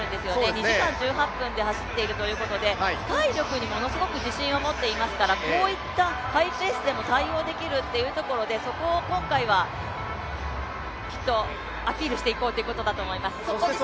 ２時間１８分で走っているということですので、体力にものすごく自信を持っていますから、こういったハイペースでも対応できるというところで、そこを今回はきっとアピールしていこうということだと思います。